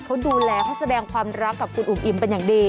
เขาดูแลเขาแสดงความรักกับคุณอุ๋มอิ่มเป็นอย่างดี